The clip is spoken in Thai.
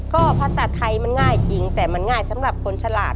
ก็ภาษาไทยมันง่ายจริงแต่มันง่ายสำหรับคนฉลาด